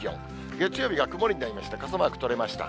月曜日が曇りになりました、傘マーク取れました。